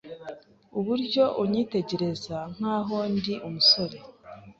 Uburyo unyitegereza nkaho ndi umusore